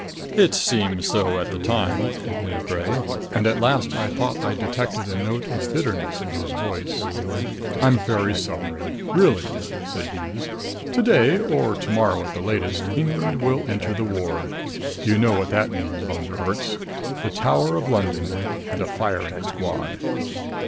"It seemed so at the time," admitted Bray; and at last I thought I detected a note of bitterness in his voice. "I'm very sorry really," said Hughes. "To day, or to morrow at the latest, England will enter the war. You know what that means, Von der Herts. The Tower of London and a firing squad!"